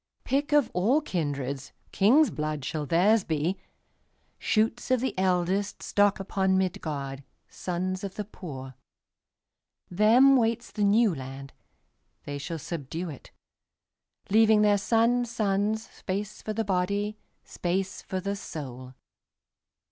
Pick of all kindreds, King's blood shall theirs be, Shoots of the eldestStock upon Midgard, Sons of the poor. Them waits the New Land; They shall subdue it, Leaving their sons' sonsSpace for the body, Space for the soul.